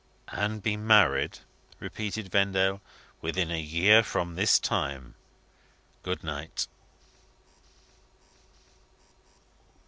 "And be married," repeated Vendale, "within a year from this time. Good night."